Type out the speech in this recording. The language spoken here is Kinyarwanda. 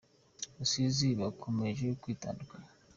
Rusizi Bakomeje kwitandukanya